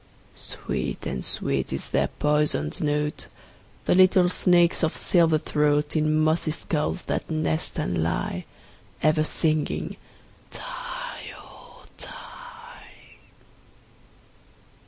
Sweet and sweet is their poisoned note, The little snakes' of silver throat, In mossy skulls that nest and lie, Ever singing "die, oh! die."